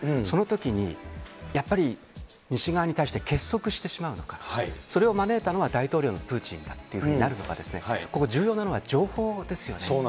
そのときに、やっぱり西側に対して、結束してしまうのか、それを招いたのは大統領のプーチンだっていうふうになるのか、ここ、重要なのは情報ですよね。